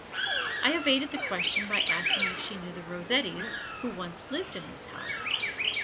I evaded the question by asking if she knew the Rossettis who once lived in this house.